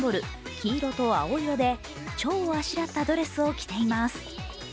黄色と青色で、ちょうをあしらったドレスを着ています。